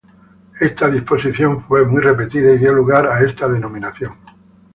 Esta disposición fue muy repetida y dio lugar a esta denominación.